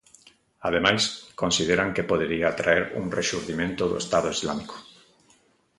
Ademais, consideran que podería trae un rexurdimento do Estado Islámico.